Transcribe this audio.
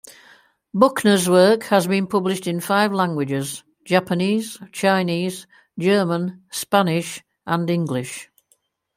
Buckner's work has been published in five languages: Japanese, Chinese, German, Spanish and English.